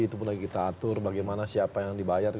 itu pun lagi kita atur bagaimana siapa yang dibayar